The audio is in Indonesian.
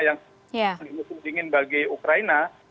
yang musim dingin bagi ukraina